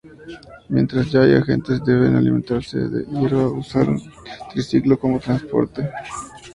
Mientras, ya hay agentes que deben alimentarse de hierba, usar un triciclo como transporte...